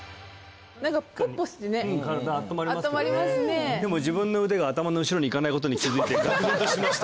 何かでも自分の腕が頭の後ろにいかないことに気づいてがくぜんとしました